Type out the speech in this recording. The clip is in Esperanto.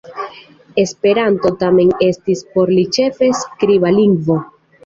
Esperanto tamen estis por li ĉefe skriba lingvo.